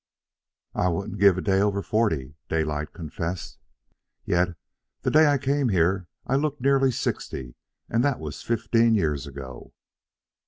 "I wouldn't give a day over forty," Daylight confessed. "Yet the day I came here I looked nearer sixty, and that was fifteen years ago."